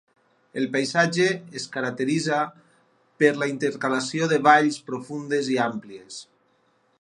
El paisatge es caracteritza per la intercalació de valls profundes i àmplies.